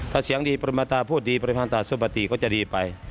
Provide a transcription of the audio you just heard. ถ้าเสียงดีปริมาตาพูดดีปริมาณตาสุปติก็จะดีไป